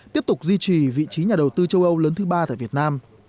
tiếp tục duy trì vị trí nhà đầu tư châu âu lớn thứ ba tại việt nam